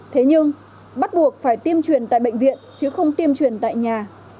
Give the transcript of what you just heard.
thế nhưng bắt buộc phải tiêm truyền tại bệnh viện chứ không tiêm truyền tại nhà